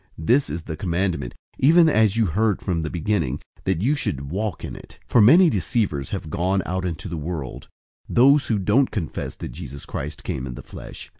This is the commandment, even as you heard from the beginning, that you should walk in it. 001:007 For many deceivers have gone out into the world, those who don't confess that Jesus Christ came in the flesh.